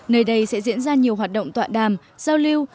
nơi đây sẽ diễn ra nhiều hoạt động tọa đàm giao lưu